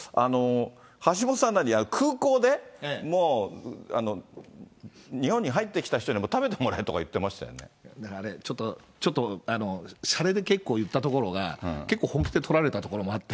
橋下さん、空港でもう日本に入ってきた人に食べてもらえとか言ってましたよだからあれ、ちょっとしゃれで結構言ったところが、結構本気で取られたところもあって。